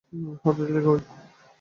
হতে দিল কই?